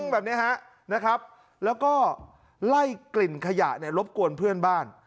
แบบนี้ฮะนะครับแล้วก็ไล่กลิ่นขยะเนี่ยรบกวนเพื่อนบ้าน